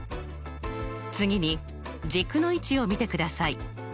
次に軸の位置を見てください。